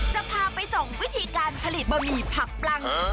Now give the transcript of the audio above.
จะพาไปส่องวิธีการผลิตบะหมี่ผักปลัง